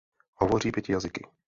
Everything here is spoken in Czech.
Hovoří pěti jazyky.